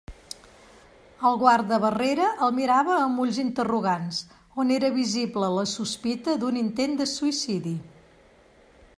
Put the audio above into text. El guardabarrera el mirava amb ulls interrogants, on era visible la sospita d'un intent de suïcidi.